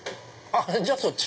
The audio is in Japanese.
じゃあそっち。